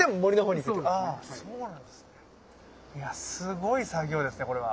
いやすごい作業ですねこれは。